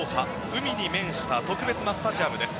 海に面した特別なスタジアムです。